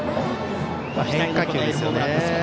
変化球ですよね。